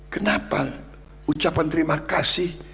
kenapa ucapan terima kasih